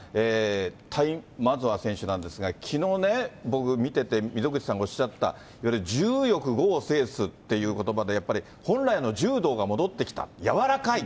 タイマゾワ選手なんですけれども、きのうね、僕見てて、溝口さんもおっしゃった、いわゆる柔よく剛を制すってことばと、やっぱり本来の柔道が戻ってきた、柔らかい。